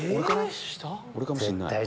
俺かもしんない。